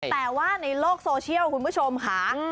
แต่ว่าในโลกโซเชียลคุณผู้ชมค่ะ